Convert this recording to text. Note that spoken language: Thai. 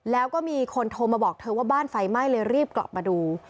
แล้วก็มีคนโทรมาบอกเธอว่าบ้านไฟไหม้เลยรีบกลับมาดู